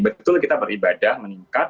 betul kita beribadah meningkat